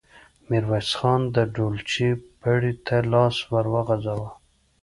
ميرويس خان د ډولچې پړي ته لاس ور وغځاوه.